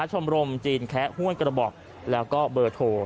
ชมรมจีนแคะห้วยกระบอกแล้วก็เบอร์โทร